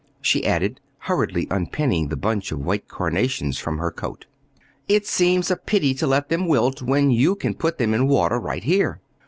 she added, hurriedly unpinning the bunch of white carnations from her coat. "It seems a pity to let them wilt, when you can put them in water right here."